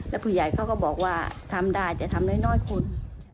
แล้วผู้ใหญ่เขาก็บอกว่าทำได้แต่ทำน้อยคน